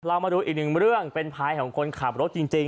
เรามาดูอีกหนึ่งเรื่องเป็นภายของคนขับรถจริง